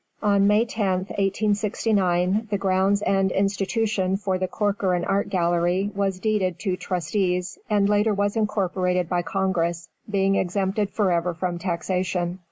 On May 10th, 1869, the grounds and institution for the Corcoran Art Gallery was deeded to trustees, and later was incorporated by Congress, being exempted forever from taxation.